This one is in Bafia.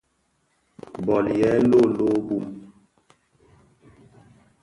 Bòl yêê lôlôo bum.